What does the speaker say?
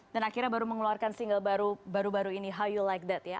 dan akhirnya baru mengeluarkan single baru baru ini how you like that ya